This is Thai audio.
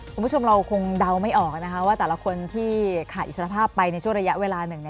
คุณผู้ชมเราคงเดาไม่ออกนะคะว่าแต่ละคนที่ขาดอิสรภาพไปในช่วงระยะเวลาหนึ่ง